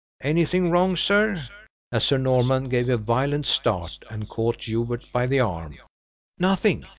Anything wrong, sir?" as Sir Norman gave a violent start and caught Hubert by the arm. "Nothing!